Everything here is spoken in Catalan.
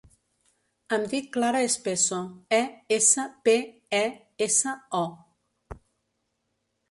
Em dic Clara Espeso: e, essa, pe, e, essa, o.